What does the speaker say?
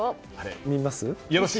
見ます？